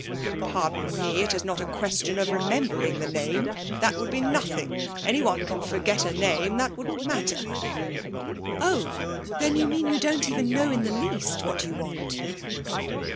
'Pardon me, it's not a question of remembering the name; that would be nothing. Anyone can forget a name. That wouldn't matter.' 'Oh, then, you mean you don't even know in the least what you want?'